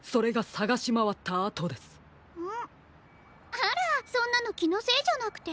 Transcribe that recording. あらそんなのきのせいじゃなくて？